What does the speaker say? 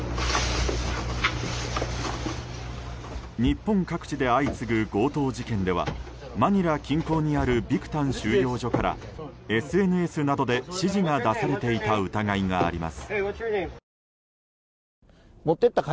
日本各地で相次ぐ強盗事件ではマニラ近郊にあるビクタン収容所からＳＮＳなどで指示が出されていた疑いがあります。